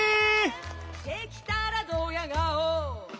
「できたらどや顔」